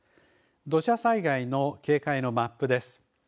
土砂災害の警戒のマップです。